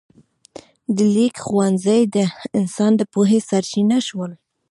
د لیک ښوونځي د انسان د پوهې سرچینه شول.